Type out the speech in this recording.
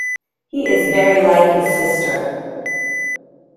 He is very like his sister.